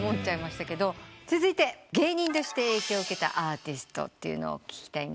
続いて芸人として影響を受けたアーティストを聞きたいんですが。